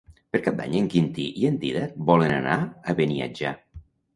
Per Cap d'Any en Quintí i en Dídac volen anar a Beniatjar.